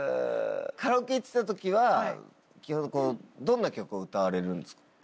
カラオケ行ってた時は基本どんな曲を歌われるんですか？